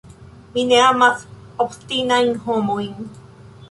Mi ne amas obstinajn homojn.